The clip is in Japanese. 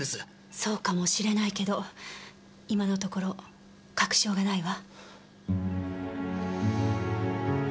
そうかもしれないけど今のところ確証がないわ。